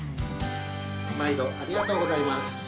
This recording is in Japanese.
まいどありがとうございます。